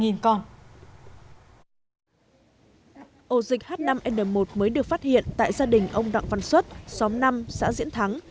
ổ dịch h năm n một mới được phát hiện tại gia đình ông đặng văn xuất xóm năm xã diễn thắng